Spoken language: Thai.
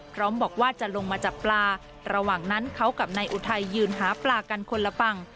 พร้อมบอกว่าจะลงมาจับปลาระหว่างนั้นเขากับนายอุทัยยืนหาปลากันคนละฝั่ง